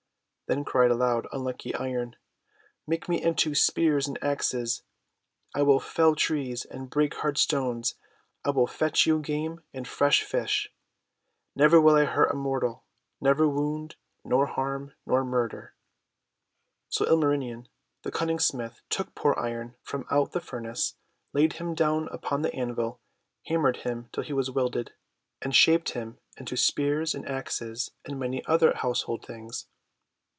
Then cried aloud unlucky Iron :— :'Make me into spears and axes. I will fell trees and break hard stones. I will fetch you game and fresh fish. Never will I hurt a mortal ! never wound, nor harm, nor murder!' So Ilmarinen the Cunning Smith took poor Iron from out the furnace, laid him down upon the anvil, hammered him till he was welded, and shaped him into spears and axes and many other household things.